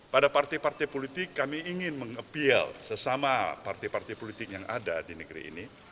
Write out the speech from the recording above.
pada partai partai politik kami ingin meng appeal sesama partai partai politik yang ada di negeri ini